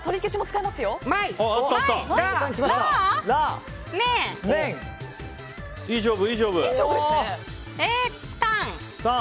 いい勝負！